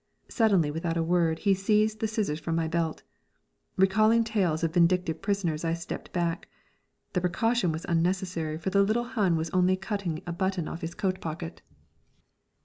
Suddenly without a word he seized the scissors from my belt. Recalling tales of vindictive prisoners, I stepped back. The precaution was unnecessary, for the little Hun was only cutting a button off his coat pocket.